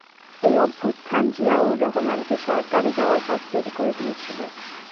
এই অভ্যুত্থান জিয়াউর রহমানকে সরকারে যাওয়ার পথ তৈরি করে দিয়েছিল।